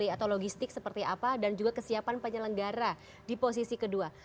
atau logistik seperti apa dan juga kesiapan penyelenggara di posisi kedua